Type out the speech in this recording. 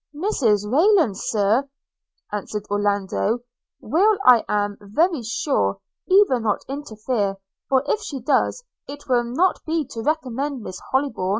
'Mrs Rayland, Sir,' answered Orlando, 'will, I am very sure, either not interfere, or, if she does, it will not be to recommend Miss Hollybourn.'